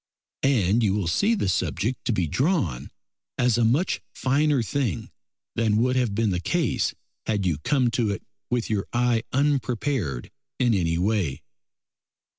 And you will see the subject to be drawn as a much finer thing than would have been the case had you come to it with your eye unprepared in any way.